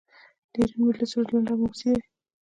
د ایران ملي سرود لنډ او حماسي دی.